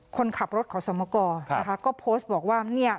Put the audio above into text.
คนขับรถขอสมกรนะคะก็โพสต์บอกว่าเนี่ย